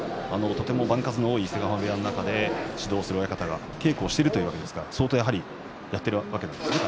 とても番数が多い伊勢ヶ濱部屋の中で指導する親方が稽古していると言うわけですから相当やっているわけなんですね。